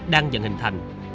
đang dần thành hình